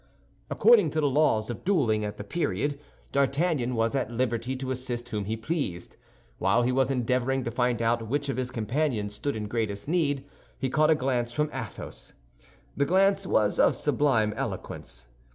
According to the laws of dueling at that period, D'Artagnan was at liberty to assist whom he pleased. While he was endeavoring to find out which of his companions stood in greatest need, he caught a glance from Athos. The glance was of sublime eloquence.